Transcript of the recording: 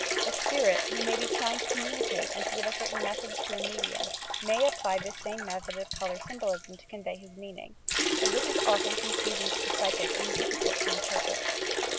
A spirit, who may be trying to com municate and to give a certain message to a medium, may apply this same method of colour symbolism to convey his meaning, but this is often confusing to the psychic and difficult to interpret.